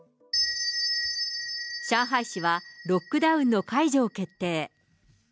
上海市はロックダウンの解除を決定。